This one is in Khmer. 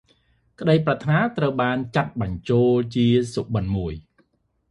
ក្តីប្រាថ្នាត្រូវបានចាត់បញ្ចូលជាសុបិន្តមួយ។